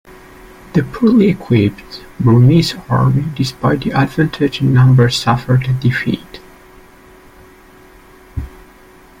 The poorly equipped Burmese army despite the advantage in numbers suffered a defeat.